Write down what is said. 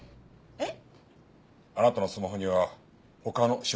えっ？